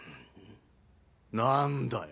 何だよ？